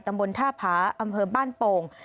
ตำบลท่าผาอำเภอบ้านโป่ง